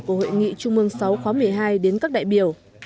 của hội nghị trung mương sáu khóa một mươi hai đến các đại biểu